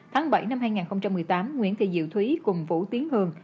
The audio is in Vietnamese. tháng bảy năm hai nghìn một mươi tám nguyễn thị diệu thúy cùng vũ tiến hường